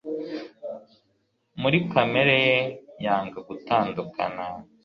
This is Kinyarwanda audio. muri kamere ye yanga gutandukana